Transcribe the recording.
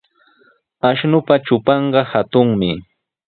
Ashnupa trupanqa hatunmi.